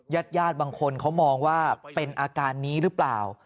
ญาติญาติบางคนเขามองว่าเป็นอาการนี้หรือเปล่า